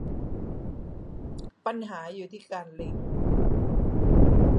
ปัญหาอยู่ที่การลิงก์